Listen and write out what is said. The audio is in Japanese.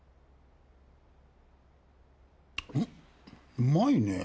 うまいねぇ。